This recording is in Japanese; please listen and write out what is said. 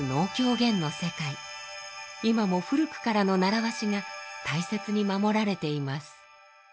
今も古くからの習わしが大切に守られています。